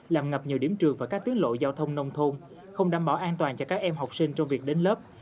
làm ngập nhiều điểm trường và các tiến lộ giao thông nông thôn không đảm bảo an toàn cho các em học sinh trong việc đến lớp